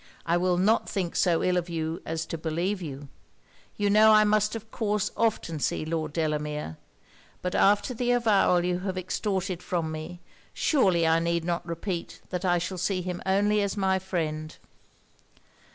I will not think so ill of you as to believe you. You know I must of course often see Lord Delamere: but after the avowal you have extorted from me, surely I need not repeat that I shall see him only as my friend.'